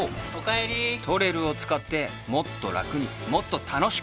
「ＴＯＲＥＲＵ」を使ってもっとラクにもっと楽しく